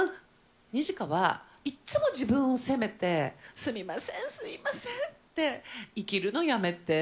ニジカはいっつも自分を責めて、すみません、すみませんって生きるのやめて。